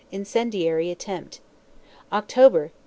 Incendiary attempt. October, 1899.